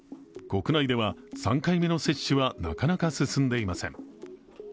国内では３回目の接種はなかなか進んでいません。